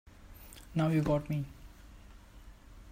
Now you got me.